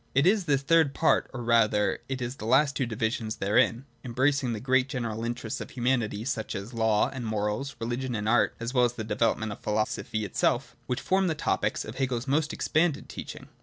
It is this third part — or rather it is the last two divisions therein (embracing the great general interests of humanity, such as law and morals, religion and art, as well as the development of philosophy itself) which form the topics of Hegel's most expanded teaching.